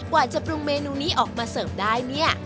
กว่าจะปรุงเมนูนี้ออกมาเสิร์ฟได้เนี่ย